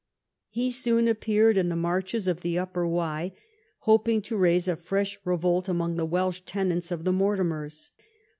He soon appeared in the Marches of the Upper Wye, hoping to raise a fresh revolt among the Welsh tenants of the Mortimers.